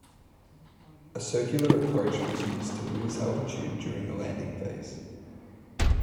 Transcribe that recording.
A circular approach was used to lose altitude during the landing phase.